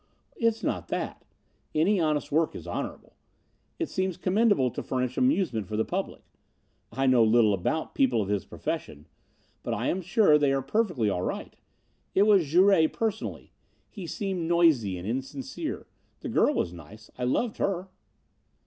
"It is not that. Any honest work is honorable. It seems commendable to furnish amusement for the public. I know little about people of his profession but I am sure they are perfectly all right. It was Jouret, personally. He seemed noisy and insincere. The girl was nice. I loved her."